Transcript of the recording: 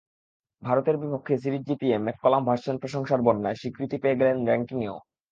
ভারতের বিপক্ষে সিরিজ জিতিয়ে ম্যাককালাম ভাসছেন প্রশংসার বন্যায়, স্বীকৃতি পেয়ে গেলেন র্যাঙ্কিংয়েও।